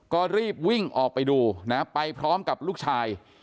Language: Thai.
ก็รีบวิ่งออกไปดูนะไปพร้อมกับลูกชาย